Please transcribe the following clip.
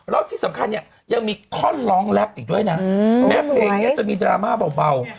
แล้วที่สำคัญเนี้ยยังมีคอลลองแรปอีกด้วยนะดราม่าเบา